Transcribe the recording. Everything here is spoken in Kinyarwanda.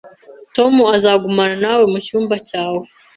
Tom azagumana nawe mucyumba cyawe